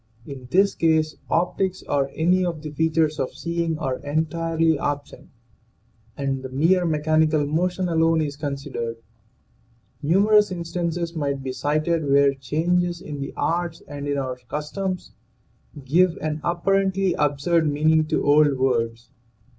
In this case optics or any of the features of seeing are entirely absent and the mere mechanical motion alone is considered. Numerous instances might be cited where changes in the arts and in our customs give an apparently absurd meaning to old words.